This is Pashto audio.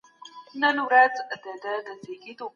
چارواکي نه سي کولای چي ټولي ستونزي حل کړي.